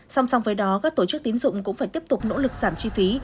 song song với đó các tổ chức tín dụng cũng phải tiếp tục nỗ lực giảm chi phí